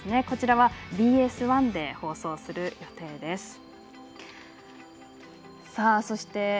こちらはＢＳ１で放送する予定です。